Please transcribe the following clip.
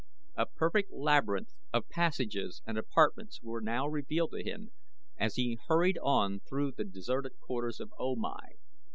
A perfect labyrinth of passages and apartments were now revealed to him as he hurried on through the deserted quarters of O Mai.